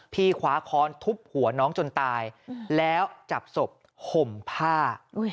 คว้าค้อนทุบหัวน้องจนตายแล้วจับศพห่มผ้า